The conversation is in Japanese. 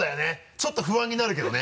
ちょっと不安になるけどね